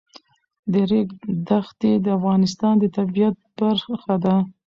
د ریګ دښتې د افغانستان د طبیعت برخه ده.